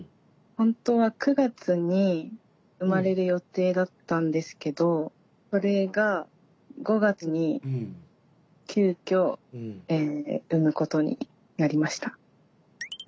本当は９月に生まれる予定だったんですけどそれが５月に急きょ産むことになりました。